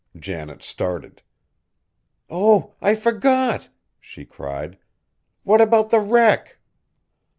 Janet started. "Oh! I forgot," she cried; "what about the wreck?"